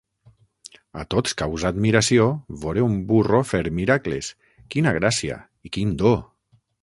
A tots causà admiració vore un burro fer miracles: quina gràcia, i quin do!